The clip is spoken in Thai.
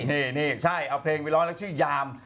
นี่ใช่เอาเพลงไปร้องแล้วชื่อยาม